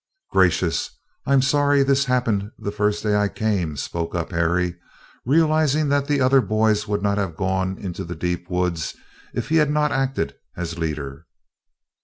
"Gracious! I'm sorry this happened the first day I came," spoke up Harry, realizing that the other boys would not have gone into the deep woods if he had not acted as leader.